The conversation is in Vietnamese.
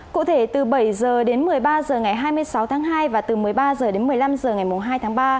cụ thể từ bảy h đến một mươi ba h ngày hai mươi sáu tháng hai và từ một mươi ba h đến một mươi năm h ngày hai tháng ba